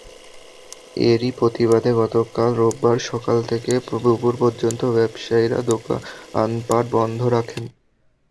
এরই প্রতিবাদে গতকাল রোববার সকাল থেকে দুপুর পর্যন্ত ব্যবসায়ীরা দোকানপাট বন্ধ রাখেন।